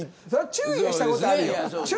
注意はしたことあるよ。